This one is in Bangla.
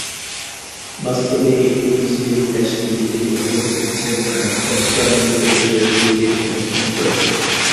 বাস্তবে এটি মুসলিম দেশগুলিতে বিবাহ বিচ্ছেদ আইন সংস্কারের মতো বিষয়গুলিকে সমর্থন করে।